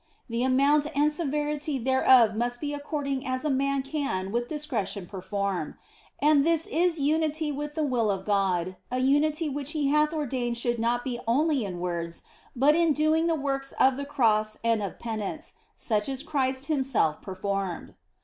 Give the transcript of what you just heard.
The amount and severity thereof must be according as a man can with discretion perform. And this is unity with the will of God, a unity which He hath ordained should not be only in words, but in doing the works of the Cross and of penitence, such as Christ Him self performed.